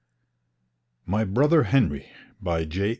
MY BROTHER HENRY By J.